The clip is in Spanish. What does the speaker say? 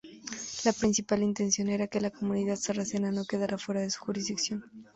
La principal intención era que la comunidad sarracena no quedara fuera de su jurisdicción.